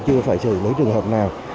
chưa phải xử lý trường hợp nào